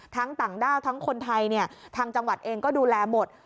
ต่างด้าวทั้งคนไทยทางจังหวัดเองก็ดูแลหมด